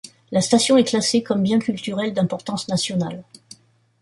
La station est classée comme bien culturel d'importance national.